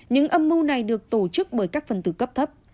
những âm mưu này được tổ chức bởi các phần tử cấp thấp